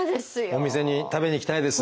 お店に食べに行きたいです。